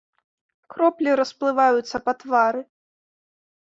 Кроплі расплываюцца па твары.